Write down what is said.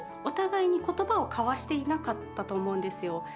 お互いに言葉を交わしていなかったと思うんですよ。